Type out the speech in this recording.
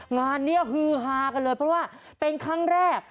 งานนี้ฮือฮากันเลยเพราะว่าเป็นครั้งแรก